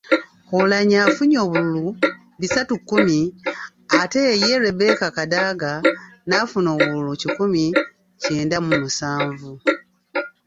Oulanyah afunye obululu bisatu kkumi ate ye Rebecca Kadaga n’afuna obululu kikumi kyenda mu musanvu.